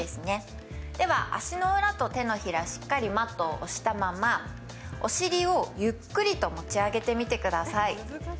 では足の裏と手のひら、しっかりマットを押したままお尻をゆっくりと持ち上げてみてください。